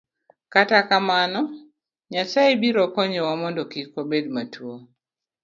Kata kamano, Nyasaye biro konyowa mondo kik wabed matuwo.